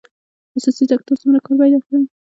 خصوصي سکتور څومره کار پیدا کړی؟